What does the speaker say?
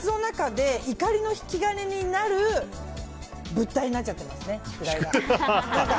とにかく生活の中で怒りの引き金になる物体になっちゃってますね宿題が。